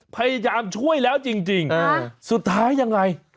พี่อาจารย์ช่วยแล้วจริงสุดท้ายยังไง